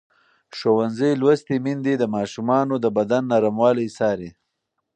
ښوونځې لوستې میندې د ماشومانو د بدن نرموالی څاري.